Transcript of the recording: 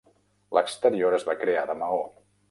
L'exterior es va crear de maó.